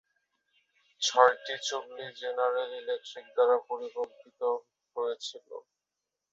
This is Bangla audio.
ছয়টি চুল্লি জেনারেল ইলেকট্রিক দ্বারা পরিকল্পিত হয়েছিল।